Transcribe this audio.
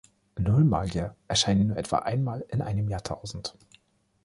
Null-Magier erscheinen nur etwa einmal in einem Jahrtausend.